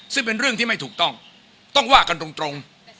ซึ่งเป็นเรื่องที่ไม่ถูกต้องต้องว่ากันตรง